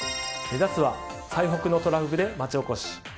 目指すは最北のトラフグで町おこし。